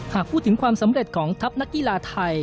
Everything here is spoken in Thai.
หากพูดถึงความสำเร็จของทัพนักกีฬาไทย